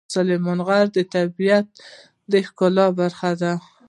سلیمان غر د طبیعت د ښکلا برخه ده.